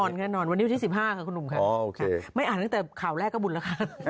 แน่นอนวันนี้วันที่๑๕ค่ะคุณหนุ่มค่ะโอเคไม่อ่านตั้งแต่ข่าวแรกก็บุญแล้วค่ะ